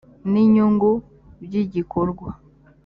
n inyungu by igikorwa